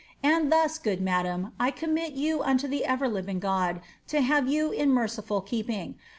And thus, good madam, I amit you unto the ever living God, to have you in merciful keeping.